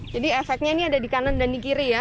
jadi efeknya ini ada di kanan dan di kiri ya